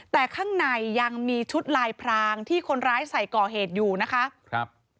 แต่ข้างในยังมีชุดลายพรางที่คนร้ายใส่ก่อเหตุอยู่นะคะครับ